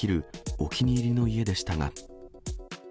お気に入りの家でしたが。